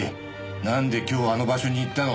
なんで今日あの場所に行ったの？